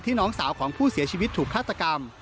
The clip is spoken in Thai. น้องสาวของผู้เสียชีวิตถูกฆาตกรรม